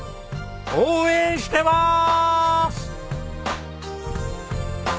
応援してます！